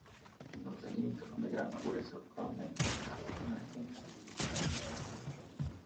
Los sedimentos son de grano grueso a medio, casi sin horizontes de grano fino.